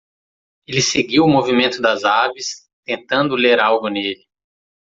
Ele seguiu o movimento das aves? tentando ler algo nele.